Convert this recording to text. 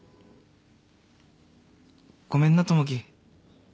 ごめんな友樹。